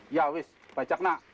ya wis bacak nak